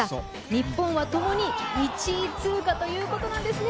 日本は、ともに１位通過ということなんですね。